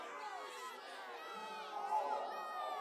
কালে তিনি কল্যাণময় ভাগ্যবিধাতায় পরিণত হন।